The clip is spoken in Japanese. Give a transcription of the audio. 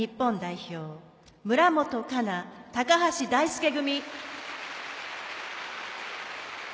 表村元哉中、高橋大輔組。